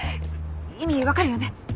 意味分かるよね？